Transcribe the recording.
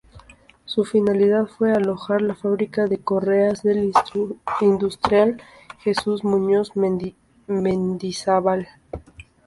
Su finalidad fue alojar la fábrica de correas del industrial Jesús Muñoz Mendizábal.